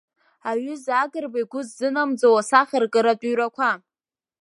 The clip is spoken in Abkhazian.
Аҩыза Агрба игәы ззынамӡауа асахьаркыратә ҩрақәа.